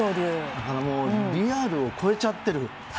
だからリアルを超えちゃってる。